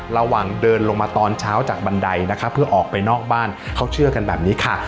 ระหว่างเดินลงมาตอนเช้าจากบันไดนะคะเพื่อออกไปนอกบ้านเขาเชื่อกันแบบนี้ค่ะ